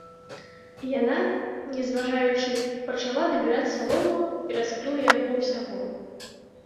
Яна, не зважаючы, пачала набіраць салому і раскрыла яго ўсяго.